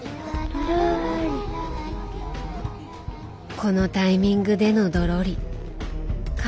このタイミングでのドロリかなり不快。